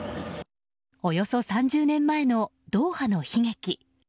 およそ３０年前のドーハの悲劇。